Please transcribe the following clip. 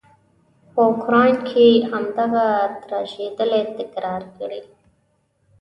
په اوکراین کې همدغه تراژيدي تکرار کړي.